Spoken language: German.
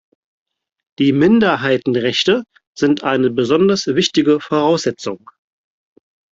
Die Minderheitenrechte sind eine besonders wichtige Voraussetzung.